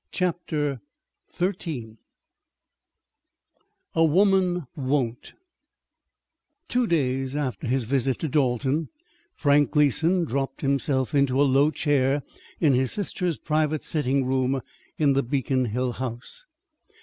CHAPTER XIII A WOMAN'S WON'T Two days after his visit to Dalton, Frank Gleason dropped himself into a low chair in his sister's private sitting room in the Beacon Hill house.